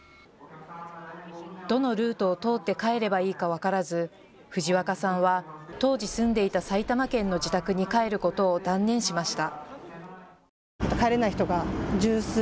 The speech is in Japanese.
どのルートを通って帰ればいいか分からず、藤若さんは当時、住んでいた埼玉県の自宅に帰ることを断念しました。